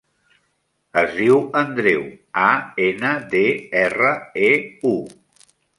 Es diu Andreu: a, ena, de, erra, e, u.